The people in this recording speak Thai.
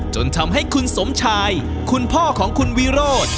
จนทำให้คุณสมชายคุณพ่อของคุณวิโรธ